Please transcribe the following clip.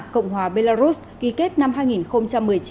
cộng hòa belarus ký kết năm hai nghìn một mươi chín